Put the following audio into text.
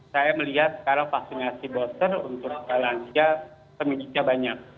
saya melihat sekarang vaksinasi bolster untuk khalangnya seminggu banyak